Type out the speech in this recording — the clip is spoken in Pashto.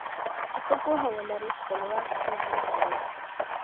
که ته پوهه ولرې خپلواک ژوند کوې.